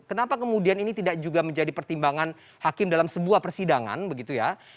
kenapa kemudian ini tidak juga menjadi pertimbangan hakim dalam sebuah persidangan begitu ya